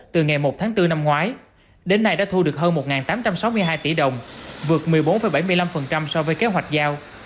từ ngày một tháng bốn năm ngoái đến nay đã thu được hơn một tám trăm sáu mươi hai tỷ đồng vượt một mươi bốn bảy mươi năm so với kế hoạch giao